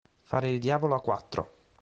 Fare il diavolo a quattro.